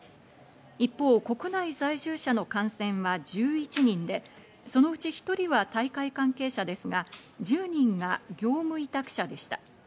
一方、国内在住者の感染は１１人でそのうち１人は大会関係者ですが、１０人が業務委託者でした。